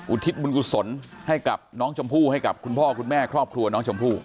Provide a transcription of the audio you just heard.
ทิศบุญกุศลให้กับน้องชมพู่ให้กับคุณพ่อคุณแม่ครอบครัวน้องชมพู่